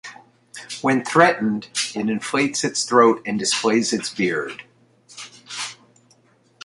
When threatened, it inflates its throat and displays its beard.